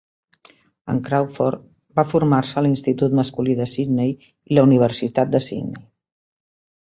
En Crawford va formar-se a l'institut masculí de Sydney i la Universitat de Sydney.